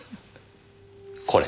これ。